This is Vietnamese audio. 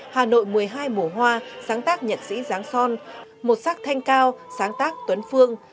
hà nội một mươi hai mùa hoa sáng tác nhạc sĩ giáng son một sắc thanh cao sáng tác tuấn phương